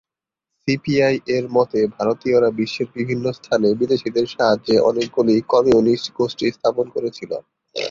সিপিআই-এর মতে ভারতীয়রা বিশ্বের বিভিন্ন স্থানে বিদেশিদের সাহায্যে অনেকগুলি কমিউনিস্ট গোষ্ঠী স্থাপন করেছিল।